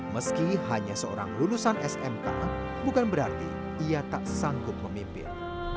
meski hanya seorang lulusan smk bukan berarti ia tak sanggup memimpin